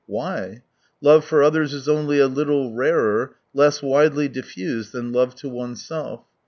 Why ? Love for others is only a little rarer, less widely diffused than love to oneself.